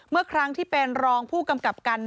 เมื่อครั้งที่เป็นรองผู้กำกับการ